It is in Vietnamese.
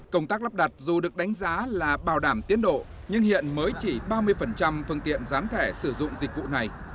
công tác lắp đặt dù được đánh giá là bảo đảm tiến độ nhưng hiện mới chỉ ba mươi phương tiện gián thẻ sử dụng dịch vụ này